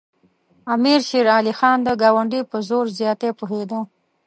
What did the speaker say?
امیر شېر علي خان د ګاونډي په زور زیاتي پوهېده.